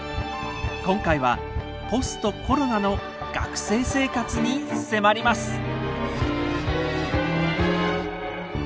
今回はポストコロナの学生生活に迫ります。